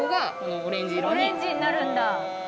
オレンジになるんだ。